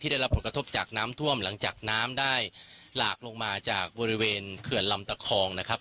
ได้รับผลกระทบจากน้ำท่วมหลังจากน้ำได้หลากลงมาจากบริเวณเขื่อนลำตะคองนะครับ